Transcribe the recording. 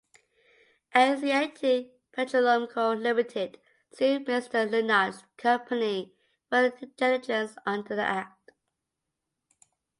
Asiatic Petroleum Co Limited sued Mr Lennard's company for negligence under the Act.